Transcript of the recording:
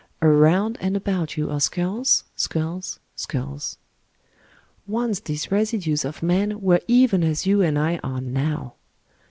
Around and about you are skulls, skulls, skulls. Once these residues of men were even as you and I are now.